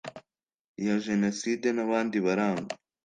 ya jenoside n abandi barangwa